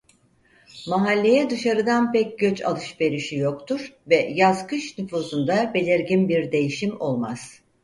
Mahalleye dışarıdan pek göç alış-verişi yoktur ve yaz-kış nüfusunda belirgin bir değişim olmaz.